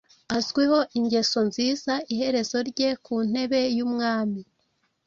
Azwiho ingeso nziza iherezo rye ku ntebe yumwami